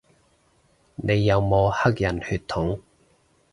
你有冇黑人血統